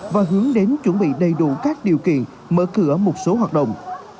và hướng đến chuẩn bị đầy đủ các điều kiện mở cửa một số hoạt động